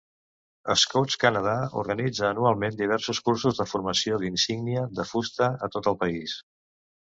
Scouts Canada organitza anualment diversos cursos de formació d'insígnia de fusta a tot el país.